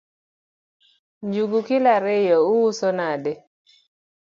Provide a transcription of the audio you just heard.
Njugu kilo ariyo iuso nade?